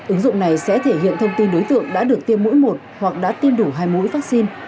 ứng dụng này sẽ thể hiện thông tin đối tượng đã được tiêm mỗi một hoặc đã tiêm đủ hai mũi vaccine